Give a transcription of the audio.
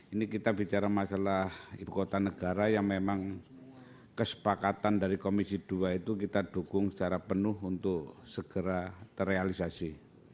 ini kita bicara masalah ibu kota negara yang memang kesepakatan dari komisi dua itu kita dukung secara penuh untuk segera terrealisasi